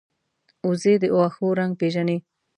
وزې د واښو رنګ پېژني